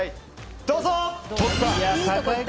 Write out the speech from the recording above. どうぞ！